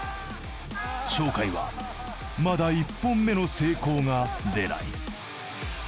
鳥海はまだ１本目の成功が出ない。